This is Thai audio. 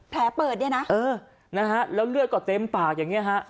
แผลเปิดเนี่ยนะแล้วเลือดก็เต็มปากอย่างนี้